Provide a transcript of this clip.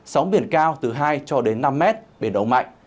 sóng biển cao từ hai cho đến năm mét biển động mạnh